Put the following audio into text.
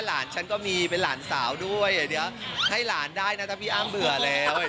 หลานฉันก็มีเป็นหลานสาวด้วยเดี๋ยวให้หลานได้นะถ้าพี่อ้ำเบื่อแล้ว